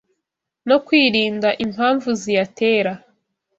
no kwirinda impamvu ziyatera